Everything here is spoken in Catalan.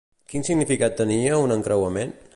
Quin significat tenia un encreuament?